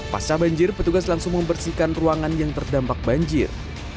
pasca banjir petugas langsung membersihkan ruangan yang terdampak banjir